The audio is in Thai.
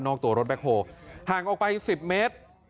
ตัวรถแบ็คโฮลห่างออกไป๑๐เมตร